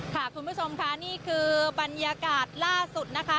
คุณผู้ชมค่ะนี่คือบรรยากาศล่าสุดนะคะ